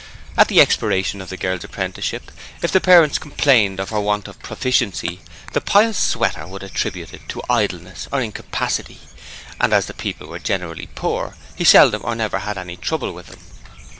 At the expiration of the girl's apprenticeship, if the parents complained of her want of proficiency, the pious Sweater would attribute it to idleness or incapacity, and as the people were generally poor he seldom or never had any trouble with them.